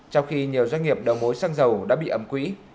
trong khi nhiều doanh nghiệp đầu mối xăng dầu đã bị ẩm quỹ